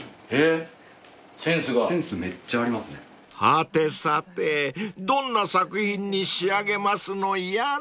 ［はてさてどんな作品に仕上げますのやら］